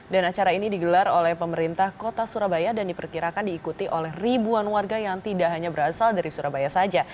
dan acara ini digelar oleh pemerintah kota surabaya dan diperkirakan diikuti oleh ribuan warga yang tidak hanya berasal dari surabaya saja